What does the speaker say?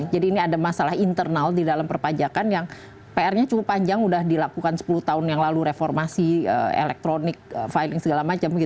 jadi ini ada masalah internal di dalam perpajakan yang pr nya cukup panjang udah dilakukan sepuluh tahun yang lalu reformasi elektronik filing selecting dan lain lain